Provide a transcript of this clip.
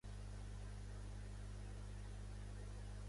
Les flors s'agrupen en grans rams de color lilà, i apareixen a la primavera.